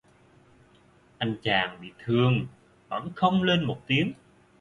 Anh chàng bị thương vẫn không lên một tiếng